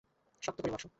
শক্ত করে বসো!